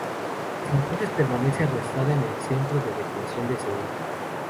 Desde entonces permanece arrestada en el Centro de Detención de Seúl.